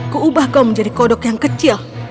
kau ubah menjadi kodok yang kecil